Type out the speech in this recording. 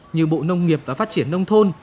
như bộ nông nghiệp và phát triển nông thôn